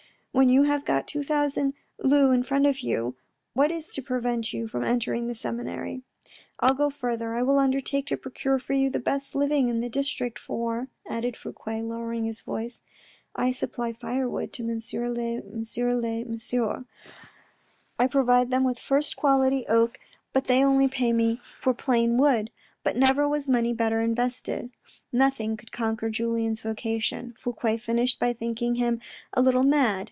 When you have got two hundred louis in front of you, what is to prevent you from entering the seminary ? I'll go further : I will undertake to procure for you the best living in the district, for," added Fouque, lowering his voice, I supply firewood to M. le M. le M . I provide them with first quality oak, 78 THE RED AND THE BLACK but they only pay me for plain wood, but never was money better invested. Nothing could conquer Julien's vocation. Fouque finished by thinking him a little mad.